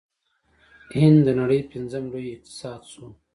هند د نړۍ پنځم لوی اقتصاد شو.